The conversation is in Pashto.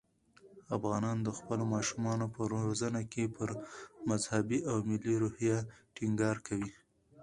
افغانان د خپلو ماشومانو په روزنه کې پر مذهبي او ملي روحیه ټینګار کوي.